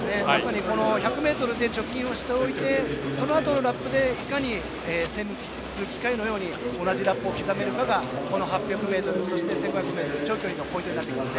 １００ｍで貯金をしておいてそのあと、いかに精密機械のように同じラップを刻めるかがこの８００ｍとそして１５００ｍ長距離のポイントになってきます。